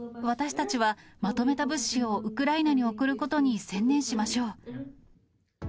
私たちはまとめた物資をウクライナに送ることに専念しましょう。